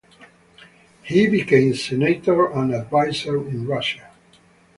He became senator and adviser in Russia.